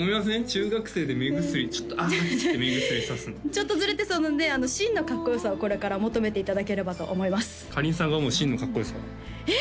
中学生で目薬ちょっとあっつって目薬さすのちょっとズレてそうなんで真のかっこよさをこれから求めていただければと思いますかりんさんが思う真のかっこよさは？え